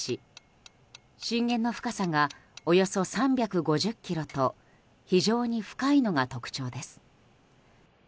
震源の深さがおよそ３５０ｋｍと非常に深いのが特徴です。